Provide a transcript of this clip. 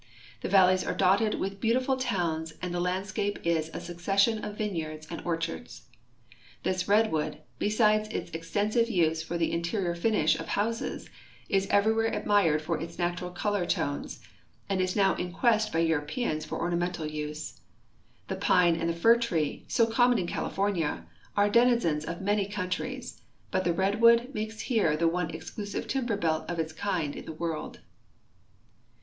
The valleys are dotted with beautiful towns and the landscape is a succession of vineyards and orchards. This redwood, besides its extensive use for the in terior finish of houses, is everywhere admired for its natural color tones and is now in quest by Europeans for ornamental use. The pine and the fir tree, so common in California, are denizens of man}^ countries, but the redwood makes here the one exclusive timber belt of its kind in the world.